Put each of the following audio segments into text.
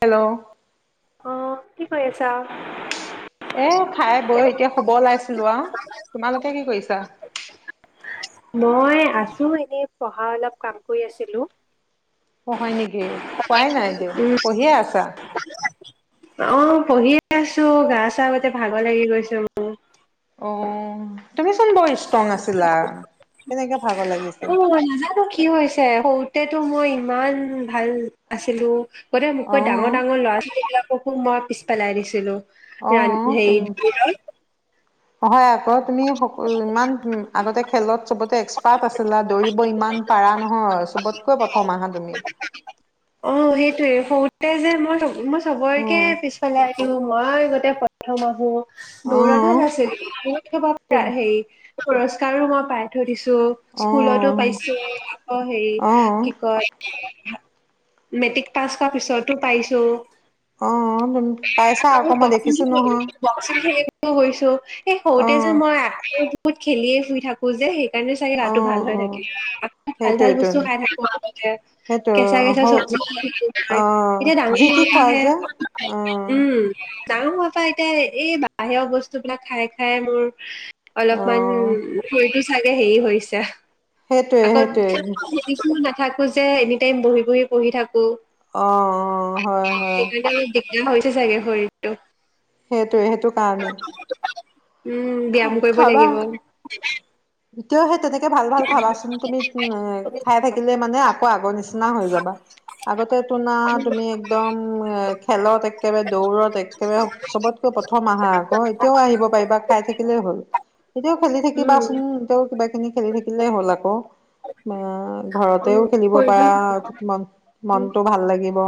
Hello. অ কি কৰি আছা। এ খাই বৈ এতিয়া শুব ওলাইছিলো আ তোমালোকে কি কৰিছা। মই আছোঁ এনেই পঢ়া অলপ কাম কৰি আছিলোঁ। অ হয় নেকি খোৱাই নাই এতিয়া উম পঢ়িয়ে আছা। অ পঢ়িয়ে আছো গা চা ভাগৰ লাগি গৈছো মোৰ। অ। তুমিচোন বৰ ষ্ট্ৰং আছিলা কেনেকে ভাগৰ লাগিছে। সৰুতে মই ইমান ভাল আছিলো। গোটেই অ মোকৈ ডাঙৰ ডাৰ ল'ৰা ছোৱালীবিলাক। বকু মই পিছ পেলাই দিছিলো। অ ইযান তুম সেই। হয়। তুমি সকল ইমান। আগতে খেলত চবতে এক্সপাৰ্ট আছিলা। দৌৰিব ইমান পাৰা নহয় চবতকৈ প্ৰথম আহা তুমি। অ সেইটোয়ে সৰুতে যে মই মই। খবৰকে পিছালাই দিওঁ। মই গোতে প্ৰথম আহো। অ অ দৌৰা ভাল আছে হে। পুৰস্কাৰো মই পাই থৈ দিছো। স্কুলতো পাইছো আকৌ হেৰি অ অ কি কয়। [unintelligible] মেট্ৰিক পাছ হ পিছতো পাইছো। অহ, পাইছা আকৌ মই দেখিছো নহয়। বক্সিং খেলিব গৈছো। এই সৰুতে যে অ মই আ বহুত খেলিয়ে শুই থাকো যে সেই চাগে অ গাটো ভাল হৈ অ থাকে। ভাল ভাল সেইটোৱেইটো বস্তু খাই থাকো আগতে সেইটো - চাগে হ চাগ চব অ এতিয়া যি ডাঙৰত তি খোৱা আহে যে অ উম [unintelligible] ডাঙৰ হোৱাপা এতিয়া এই বাহিৰৰ বস্তুবিলাক খাই খাই মোৰ অ অলপমান- চাগে হেৰি হৈছে। সেইটোৱে আকৌ সেইটোৱে খেল [unintelligible] থাকোঁ যে এনি টাইম বহি বহি পঢ়ি থাকোঁ। অ অ হয় হয়। বেয়া হৈছে চাগে শৰীৰটো। সেইটোৱে সেইটো কাৰণেই। উম খা ব্যায়াম কৰিব লাগিব। খাবা এতিয়াও সেই তেনেকে ভাল ভাল খাবাচোন তুমি খাই থাকিলে মানে আকৌ আগৰ নিচিনা হৈ যাবা। আগতে তোনা তুমি একদম খেলত একেবাৰে দৌৰত একেবাৰে চবতকৈ প্ৰথম আহা আকৌ এতিয়াও আহিব পাৰিবা খাই থাকিলেই হ'ল এতিয়াও খেলি থাকিবাচোন এ তেওঁ কিবা- খিনি খেলি থাকিলে হল আকৌ। আহ ঘৰতেও উম, খেলিব কৰিব পাৰা, লাগিব। মন মনটো ভাল লাগিব।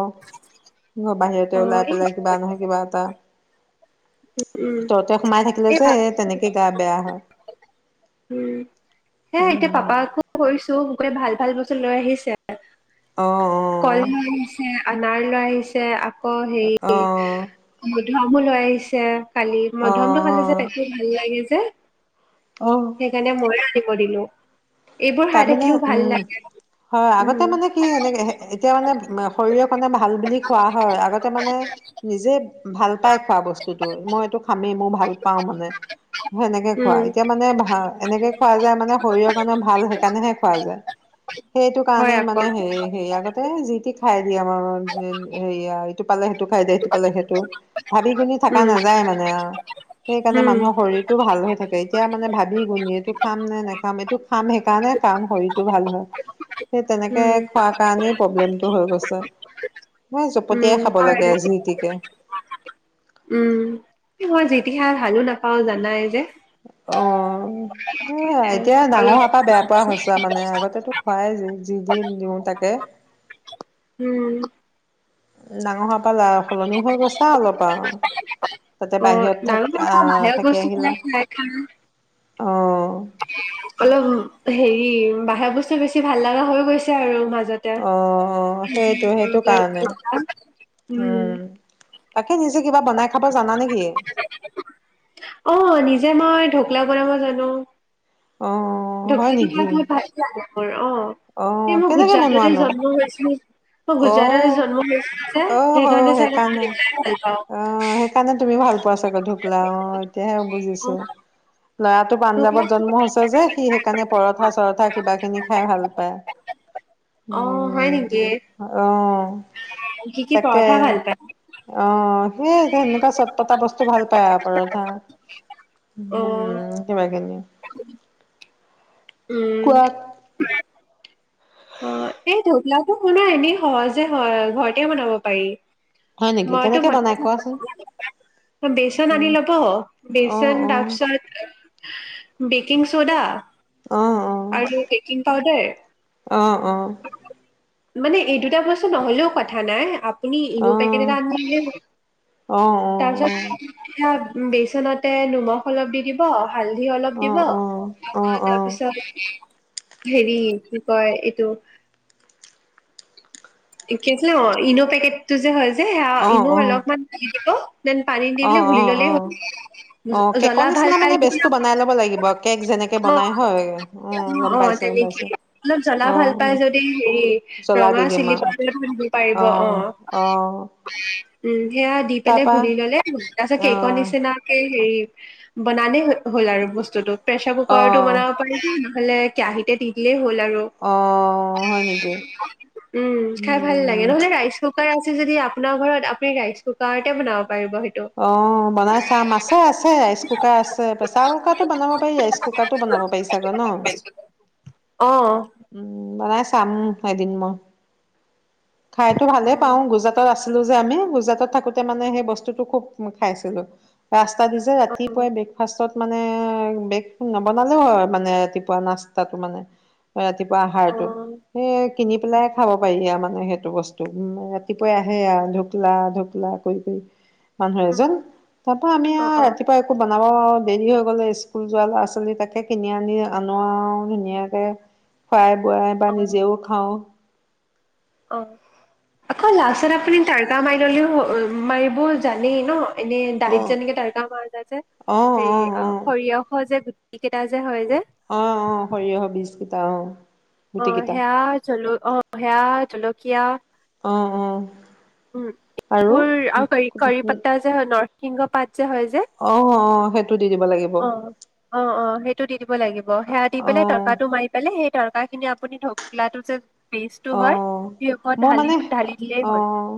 বাহিৰতে অ', ওলাই এই পেলাই কিবা নহয় কিবা এটা উম, ভিতৰতে সোমাই থাকিলে এই তেনেকে গা বেয়া হয় উম, সেয়া এতিয়া উ পাপাকো কৈছো, ভাল ভাল বস্তু লৈ আহিছে। অ কল অ লৈ আহিছে, আনাৰ লৈ আহিছে, কৌ সেই অ', ধ তামোল হৈ আহিছে। কালি মধ্যম টো খালি যে অ', তাকো ভাল লাগে যে, যে [unintelligible] সেইকাৰণে মোৰে আ কৰিলো। তাৰমানানে উম, হয় আগতে উম মানে কি এনেকে, এতিয়া মানে শৰীৰক মানে ভাল বুলি খোৱা হয়। আগতে মানে নিজে, ভাল পাই খোৱা বস্তুতো মইটো খামেই মোৰ ভাল পাও মানে সেনেকে খোৱা উম এতিয়া মানে ভ এনেকে খোৱা যায় মানে শৰীৰৰ কাৰণে ভাল সেকাৰণেহে খোৱা যায় সেইটো কাৰণে হয় মানে আকৌ হে সেই আগতে যি তি সে [unintelligible] পালে সেইটো খাই দিয়ে সেইটো পালে সেইটো ভাবি গুণি থকা উম নাযায় মানে আও সেইকাৰণে উম মানুহৰ শৰীৰতটো ভাল হৈ থাকে এতিয়া মানে ভাবি গুণি এইটো খাম নে নেখাম এইটো খাম সেইকাৰণে কাম শৰীৰটো ভাল হয় সেই তেনেকে উম খোৱাৰ কাৰণেই প্ৰব্লেমটো হৈ গৈছে মই উম জপতিয়াই খাব হয় লাগে আজি উম মই যে তেতিহা ভালো নাপাও জানাই যে অ সেয়া এতিয়া ডাঙৰ অলপ হপা বেয়া পোৱা হৈছে মানে আগতেো খুৱাই যি দি দিওঁ তাকে উম ডাঙৰ হোৱা পা অকল সলনি হৈ গৈছা অলপ আও তাতে অ বাহিৰত ডাঙৰ থ মানুহ আহ বাহিৰৰ থাকি বস্তু আহিলা খাই খাই খাই অ উফ অলপ হেৰি বাহেঅ বস্তু বেছি ভাল লগা হৈ গৈছে আৰু মাজ অ সেইটো সেইটো কাৰণে উম সেই নিজে কিবা বনাই খাব জানা নেকি পোলাও বনাব জানো অ হয় ঢকলাটো তোমাৰ নেকি বহুত ভাল লাগে হয় অ অ এই মোৰ কেনেকে গুজৰাটতে বনোৱানো জন্ম হৈছিলো মই অ গুজৰাটত জন্ম হৈ আছে অ হ সেইকাৰণে চাগে গম পাওঁ অ সেইকাৰণে তুমি ভাল পোৱা চাগে ঢুকলা অ এতিয়াহে অ বুজিছো ল'ৰাটো ঢকলা পাঞ্জাৱত জন্ম হৈছে যে সি সেইকাৰণে পৰঠা চৰঠা কিবা কিনি খাই ভাল পায় অ হয় নেকি উম অ অ কি কি তাকে পৰঠা ভাল পায় অহ এই তেনেকোৱা চট পতা বস্তু ভাল পায় আও পৰঠা উম কিবা কিব উ উম কোৱা অ এই ধকলাটো শুনা এনেই সহজে ঘৰতে বনাব পাৰি হয় নেকি মইতো কেনেকে বনাই কোৱাচোন থাকোঁ বেচন আনি উম লব অ বেচন তাৰপিছত বেকিং ছ'ডা অ অ আৰু বেকিং পাউদাৰ অঁ অঁ মানে এই দুটা বস্তু নহ'লেও কথা নাই আপুনি অ ই'ন' পেকেট এটা আনিলে হল অ অ তাৰপিচত সেয়া বেচনতে নিমখ অলপ দি দিব হালধি অলপ অ অ অ দিব অ তাৰপিছত হেৰি কয় এইটো কি আছিলে অ ইন' পেকেটটো যে হয় যে সেয়া অ অ অ অ ই'ন' অলপমান দি দিব দেন পানী দি অ পেলাই অ ঘুলি অ ল'লেই হ'ল অ কেকৰ জ্বলা ভাল নিচিনা পাই মানে যদি বেচটো বনাই লব লাগিব কেক যেনেকে আকৌ বনাই হয় উম গম অ পাইছো গম তেনেকে পাইছো অলপ জ্বলা অ ভাল পাই অ যদি হেৰি জ্বলা ৰঙা দি দিম চিলি আৰু পাইডাৰ দিব পাৰিব অ অ উম সেয়া দি পেলাই তাৰপা ঘুলি ললে তাৰ পিছত কেকৰ অ নিচিনাকে হেৰি বনালেই হ'ল আৰু বস্তুতটো প্ৰেছাৰ কুকাৰটো অহ বনাব পাৰি বানলে নহ'লে কেয়াহিতে দি দিলে [unintelligible] অ' হয় নেকি উম খাই ভাল লাগে উম। নহলে ৰাইচ কুকাৰ আছে যদি আপোনাৰ ঘৰত আপুনি ৰাইচ কুকাৰতে বনাব। পাৰিব সেইটো অ' বনাই চাম মাছে আছে ৰাইচ কুকাৰ আছে প্ৰেছাৰ কুকাৰটো বনাব পাৰি ৰাইচ কুকাৰটো বনাব পাৰি চাগৈ ন। অ উম। বনাই চাম এদিন মই। খাইতো ভালে উম পাও গুজৰাটত আছে। আলু যে আমি গুজৰাটত থাকোতে মানে সেই বস্তুটো খুব খাইছিলো ৰাস্ত। পাদু যে অ ৰাতিপুৱাই ব্ৰেকফাষ্টত। মানে বেকটো নবনালেও হয় মানে ৰাতিপুৱা নাস্তাটো মানে ৰাত। ৰাতিপুৱা অ আহাৰতো সেই কিনি পেলাইহে খাব পাৰি আম। নাই হেড। টো বস্তু ৰাতিপুৱাই আহে আৰু ঢোকলা ঢোকলা কৰি কৰি [unintelligible] মানুহ উম এজন তাপা আমি অ আৰু অ ৰাতিপুৱা একো বান। অলপ দেৰি হৈ গ'লে স্কুল যোৱা ল'ৰা ছোৱালী তাকে কিনি আনি আনো আৰু ধুনীয়াকে খুৱাই বো। খোৱাই বা নিজেও অ খাওঁ। অ' আকৌ লাষ্ট এটা আপুনি তাৰকা মাৰি ললেও মাৰিবও জানেই ন। এনে দালিত অ যেনেকে তাৰকা মাৰ যায় যে হেৰি অ' সৰিয়হ যে গু। টি কেইটা যে হয় যে। অ' অ' সৰিয়হ বীজকিতা অ'। অ' গুটিকেইটা হেয়া জল। অ' সেয়া জলকীয়া। অ' অ'। উম আৰু এইবোৰ আৰু কৰি কৰি পাত্তা যে নৰ। সিংহ পাত। যে হয় যে। অ', অ', সেইটো দি দিব লাগিব অ' অ' অ' সেইটো দি দিব লাগিব সেয়া দি পেলাই অ', তৰ্কাটো মাৰি পেলাই সেই ত। কা খিনি আপুনি ঢকলাটো যে। পেষ্টটো হয় অ' সেই ওপৰত মই ঢালি মানে ঢালি দিলেই হ'ল অ'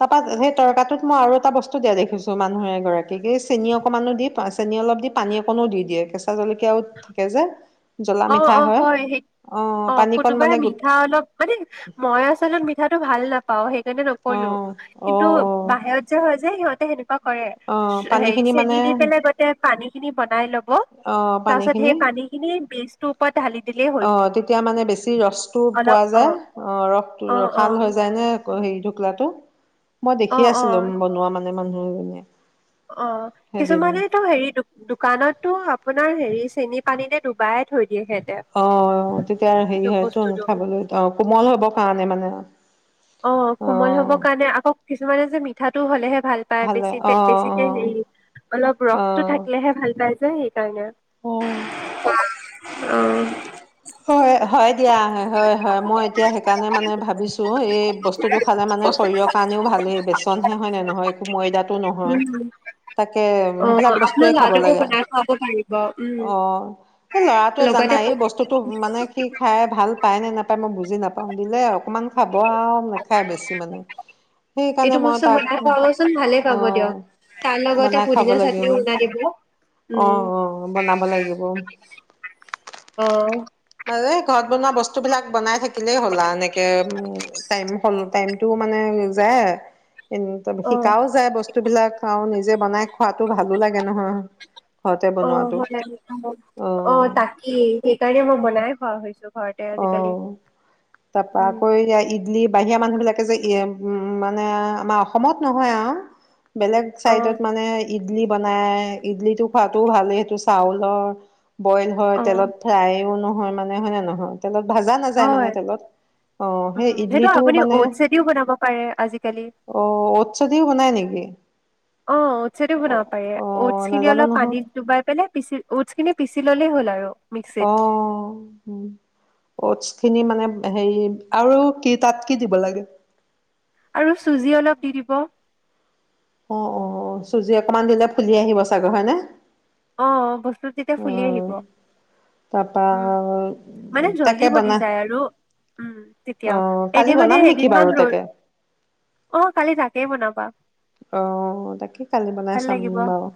তাৰপা সেই উম, তৰ্কাটোত মই আৰু এটা বস্তু- টো দিয়া দেখিছো মানুহ এগৰাকীক এই চেনি অকনমানো দি চেনি অলপ দি পানী অকনো দি দিয়ে কেঁচা জলকীয়াও থাকে যে। জ্বলা অ' মিঠা অ' হয় সেই অ' পানীকণ কোনোবাই মানে গোট মিঠা অলপ মানে মই আচলত মিঠাটো। ভাল নাপাও সেই। তেনে নকৰিলো। অ', কিন্তু অ', অ', বাহিৰত যে হয় যে সিহঁত তে সেইটোত কৰে অ', হেৰি পানীখিনি চেনি মানে দি পেলাই গোটেই পানী খিনি বন- বনাই ল'ব অ', তাৰ পাছত পানীখিনি সেই পানী খিনিত বীজ তোপত অ তেতিয়া মানে বেছি ৰসটো পোৱা অলপ অ যায় অ ৰসটো অ অ ৰশাল হৈ যায় নে হেৰি টুকলাটো মই অ দেখি অ আছিলো বনোৱা মানে মানুহ এজনিয়ে অ কিছুমানে তো হেৰি দোকানটো আপোনাৰ হেৰি চেনি পানী ডুবাই থৈ দিয়ে সিহঁতে অ তেতিয়া হেৰি হয়তোন বস্তুটো খাবলৈ অ কোমল হব কাৰণে মানে অ কোমল হবৰ কাৰণে আকৌ কিছুমানে যে মিঠাটো হ'লেহে ভাল পায় ভালে বেছি অ বেছিকে হেৰি অলপ অ অ ৰসতটো থাকিলেহে ভাল পায় ন অ [unintelligible] তানে আহ হয় হয় এতিয়াহে হয় হয় মই এতিয়া সেইকাৰণে মানে ভাবিছো এই বস্তুটো খালে মানে শৰীৰৰ কাৰণেও ভালেই বেচনহে হয় নে নহয় একো ময়দাতটো নহয় উম তাকে অ সেইবিলাক আপোনাৰ বস্তুৱয়ে খাব ল'ৰাটোকো লাগে বনাই খুৱাব পাৰিব উম অ এই ল'ৰাটোৱে লগতে জানাই এই বস্তু বস্তুো মানে সি খাই ভাল পায় নে নাপায় মই বুজি নাপাওঁ দিলে অকমান খাব আৰু নাখায় বেছি মানে সেইকাৰণে এইটো মই বস্তু তাক বনাই খুৱাবচোন ভালে অ পাব দিয়ক তাৰ লগতে বনাই খুৱাব পুদিনা লাগিব চাটনিও বনাই দিব উম আহ আহ বনাব লাগিব অ এ ঘৰত বনোৱা বস্তু বিলাক বনাই থাকিলেই হ'লা এনেকে উ টাইম হ'ল টাইমতটোও মানে যায় ত অ শিকাও যায় বস্তু বস্তুবিলাক আৰু নিজে বনাই খোৱাতো ভালো লাগে নহয় ঘৰতে অ বনোৱাটো হয় অ তাকেই সেইকাৰণে মই বনাই খোৱা হৈছো ঘৰতে অ আজিকালি তাৰ পৰা উম আকৌ এতিয়া ইডলি বাহিৰা মানুহ বিলাক তাকে যে ই উম মানে আমাৰ অসমত নহয় আহ বেলেগ অ চাইডত মানে ই ইডলি বনাই ইডলিটো খোৱাত টোও ভাল সেইটো চাউলৰ বইল অ তেলত ফ্ৰাইও নহয় হয় মানে হয় নহয় তেলত ভাজা নাযায় মানে হয় তেলত আহ সেই উম সেইটো ইডলিটো আপুনি মানে ঔটছেদিও বনাব পাৰে আজিকালি অ ঔট চদিও বনাই নেকি অ টছেটো অ বনাব পাৰ অ উট খিনি নাজানো অলপ নহয় পানী ডুবাই পেলিই উডচ খিন পানী [unintelligible] ললেই হ'ল আৰু মিক্সিত অ অটছ খিনি উম মানে হেৰি আৰু কি তাত কি দিব লাগে আৰু চুজি অলপ দি দিব অ অ চুজি অকমান দিলে ফুলি আহিব চাগৈ হয়নে অ বস্তু তেতিয়া ফুলি আহিব অ', তাৰপা উম মানে জলদি তাকে বনি বনা যায় আৰু উম তেতিয়া অ', এনে কালি মানে বনাম নেকি এদিনমান বাৰু ৰ তাকে? অ কালি তাকেই বনাবা আহ তাকেই কালি বনাই ভাল চাম লাগিব বাৰু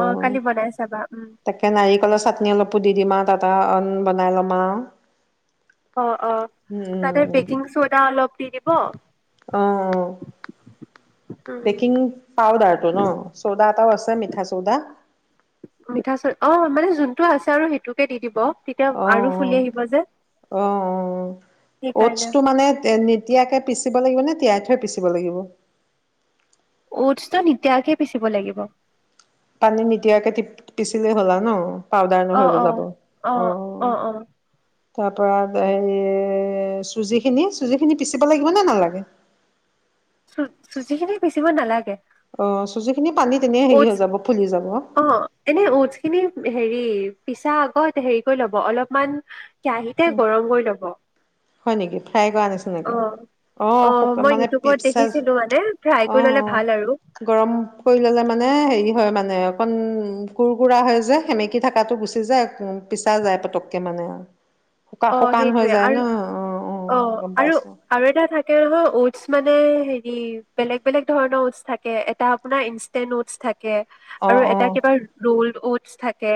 অ কালি বনাই চাবা উম তাকে নাৰিকলৰ চাটনি অলপো দি দিম আৰু টা অ বনাই ল'মা অঁ, অঁ তাতে বেকিং চ'ডা অলপ দি দ অঁ, অঁ উম বেকিং পাৱ দাৰটো ন চৌদা আটাওছ মিঠা চৌদা মিঠা চল অ মানে যোনটো আছে আৰু সেইটোকে দি দিব তেতিয়া আৰু ফুলি অঁ, আহিব যে অঁ সেইকাৰণে টছটো মানে নিতিয়াকে পিচিব লাগিবনে তিয়াই থৈ পিচিব লাগিব পি লাগিব পানী মিদিয়াকে পিচিলে হ'লা ন পাউদাৰ ন অ হৈ গ অ যাব অ অ অঁ অ তাৰ পৰা হেৰি চুজি খিনি চুজি খিনি পিচিব লাগিব নে নালাগে চুজিখিনি চ নালাগে আহ চুজি খিনি পানী তেনে হেৰি অটছ হৈ যাব ফুলি যাব অ এনে অটছ খিনি হেৰি পিছা আগত হেৰি কৰি ল'ব অলপমান কেৰাহীতে গৰম কৰি লব। হয় নেকি? ফ্ৰাই কৰা আনিছো অ নেকি? অ' শুকান মই মানে ইউটিউবত পিচ চাইজ দেখিছিলো মানে ফ্ৰাই অ, কৰি ললে ভাল আৰু অ' গৰম কৰি ল'লে মানে হেৰি হয় মানে। অকণ কুৰ কুৰা হয় যে সেমেকি থাকাটো গুচি যায় পিছা যায় পতককে মানে আৰু। শুকা অ শুকান হৈ সেইটোৱে যায় ন'। আৰু অ' গম আৰু পাইছো আৰু এটা থাকে নহয়, উটছ মানে এই হেৰি বেলেগ বেলেগ ধৰণৰ উটছ থাকে এটা আপোনাৰ ইনষ্টেন্ট উটছ থাকে। অ আৰু অ এটা কিবা ৰোল উটছ থাক থাকে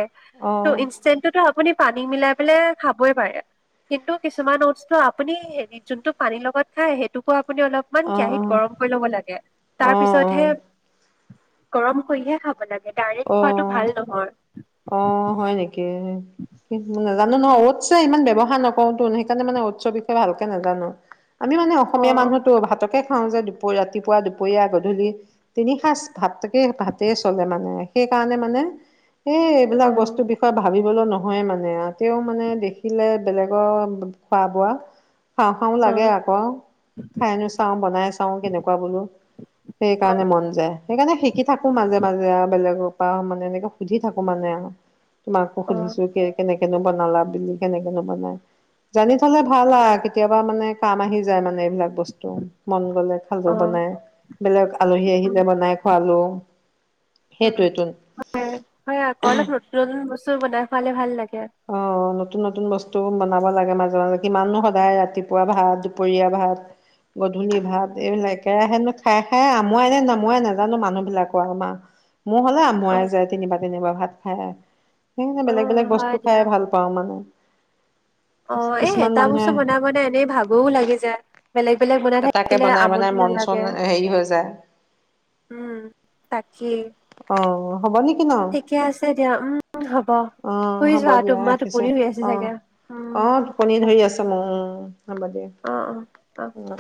অ অ অ টো ইনষ্টেণ্ট টো আপুনি পানী মিলাই পেলাই খাবই পাৰে কিন্তু কিছুমান উটছ ত' আপুনি হেৰি যোনতটো পানী লগত খাই সেইটোকো আপুনি অলপমান কেৰাহিত গৰম কৰি ল'ব লাগে অ তাৰপিছতহে গৰম কৰিহে খাব লাগে। ডাইৰেক্ট অ, খোৱাটো ভাল নহয়। অ, হয় নেকি কি নাজানো উম, নহয়। উটচ ইমান ব্যৱহাৰ ৰ নকওতোন সেইকাৰণে মানে উটচৰ বিষয়ে ভালকে নাজানো। আমি মানে অসমীয়া অ', মানুহতো ভাতকে খাওঁ যে দুপৰীয়াত ৰাতিপুৱা দুপৰীয়া গধূলি তিনি সাঁজ ভাতকে, ভাতে চলে মানে। সেই কাৰণে মানে এ এইবিলাক অ', বস্তুৰ বিষয়ে ভাবি নহয় মানে আতিয়াও মানে দেখিলে বেলেগৰ খোৱা বোৱা খাওঁ খাওঁ লাগে অ', আকৌ খাই নোচাওঁ বনাই চাওঁ কেনেকুৱা বোলো সেইকাৰণে অ', মন যায় সেইকাৰণে শিকি থাকোঁ মাজে মাজে আৰু। বেলেগৰ পাওঁ মানে এনেকা সুধি থাকো মানে তোমাকো অ', সুধিছো কে কেনেকে কেনো বনালা বিলি কেনেকেনো বনাই জানি থলে ভাল আৰু কেতিয়াবা মানে কাম আহি যায় মানে এইবিলাক বস্তু মন গলে খালো অ', বনাই বেলেগ আলহী উম, আহিলে বনাই খোৱালো [inaudible] উম, সেইটোৱে হয় হয় আকৌ অলপ নতুন নতুন বস্তু চু বনাই খুৱালে ভাল লাগে। অ নতুন নতুন বস্তু বনা বলাগে [unintelligible] মাজে মাজে কিমানু সদায় ৰাতিপুৱা ভাত দুপৰীয়া ভাত গ ধূলি ভাত উম, এইবিলাক একেৰাহেনো খাই খাই আমুৱাই নে নামোৱাই নাজানো মানুহ বিলাকৰ আমাৰ মোৰ হ'লে আমুৱাই অ', যায় তিনিবা তিনিবাৰ ভাত খাই। সেইহে বেলেগ বেলেগ অ', বস্তু হয় দিয়া। খাই ভাল পাওঁ মানে [inaudible] অ কিছুমান এটা মানুহে বস্তু বনাই বনাই এনেই ভাগৰও লাগি যায় বেলেগ বেলেগ বনাই এ তাকে থাকিলে বনাই বনাই আমনি মন চন নালাগে। হেৰি হৈ যায় ই অ হ'ব [unintelligible] [unintelligible] উম, হ'ব অ শুই হ'ব যোৱা দিয়া তোমাৰ ৰাখিছো টোপনি হৈ আছে অ চাগে উম, অ টোপনি হ'ব ধৰি আছে মোৰ উম হ'ব দিয়া অ', অ', অ